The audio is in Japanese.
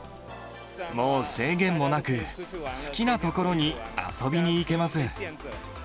もう制限もなく、好きな所に遊びに行けます。